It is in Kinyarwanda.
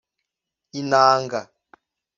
inanga